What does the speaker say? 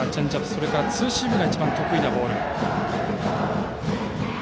そしてツーシームが一番得意なボール。